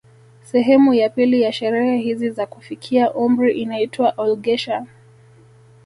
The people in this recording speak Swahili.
Sehemu ya pili ya sherehe hizi za kufikia umri inaitwa olghesher